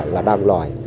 là đâm lòi